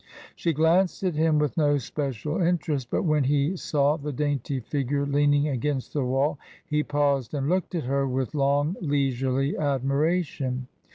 She glanced at him with no special interest, but when he saw the dainty figure leaning against the wall, he paused and looked at her with long, leisurely admiration.